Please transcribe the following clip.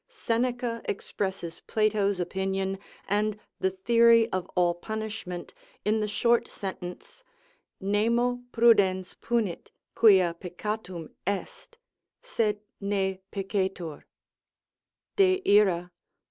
Seneca expresses Plato's opinion and the theory of all punishment in the short sentence, "Nemo prudens punit, quia peccatum est; sed ne peccetur" (De Ira, i.